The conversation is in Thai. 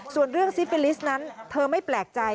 ส่วนเรื่องซิปิลิสต์นั้นเธอไม่แปลกใจ